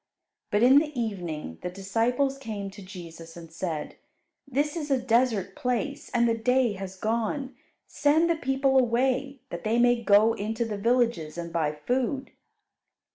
But in the evening the disciples came to Jesus and said, "This is a desert place, and the day has gone; send the people away, that they may go into the villages and buy food."